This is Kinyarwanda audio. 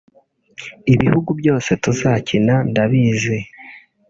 Ibihugu byose tuzakina ndabizi